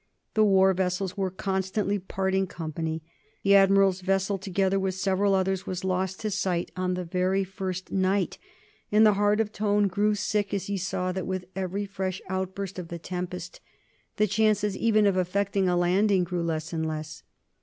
The war vessels were constantly parting company. The admiral's vessel, together with several others, was lost to sight on the very first night, and the heart of Tone grew sick as he saw that with every fresh outburst of the tempest the chances even of effecting a landing grew less and less.